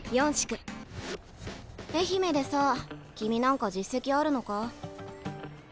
愛媛でさ君何か実績あるのか？